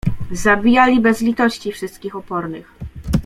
Zabijali bez litości wszystkich opornych.